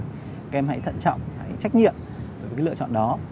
các em hãy thận trọng hãy trách nhiệm với cái lựa chọn đó